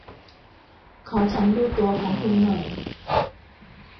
ขอฉันดูตั๋วของคุณหน่อย